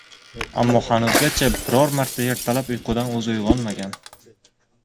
Ammo hanuzgacha biror marta ertalab uyqudan o‘zi uyg‘onmagan